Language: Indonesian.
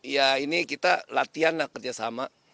ya ini kita latihan lah kerjasama